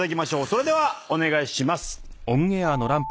それではお願いします。